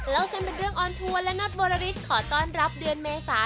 เส้นเป็นเรื่องออนทัวร์และน็อตวรริสขอต้อนรับเดือนเมษา